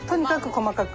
細かく。